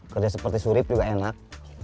kerja seperti surip juga enak